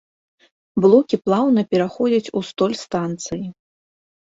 Блокі плаўна пераходзяць у столь станцыі.